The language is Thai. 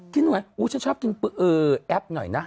กินตรงไหนฉันชอบกินแอปหน่อยนะ